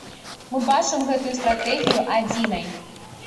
Мы бачым гэтую стратэгію адзінай.